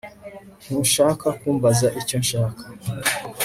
Ntushaka kumbaza icyo nshaka